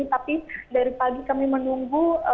tapi dari pagi kami menunggu